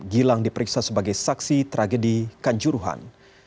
gilang diperiksa sebagai saksi tragedi kanjuruhan